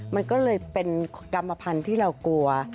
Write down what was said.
มันก็เลยเป็นกรรมภัณฑ์ที่เรากลัว